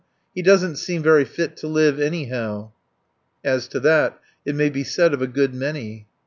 "He doesn't seem very fit to live, anyhow." "As to that, it may be said of a good many."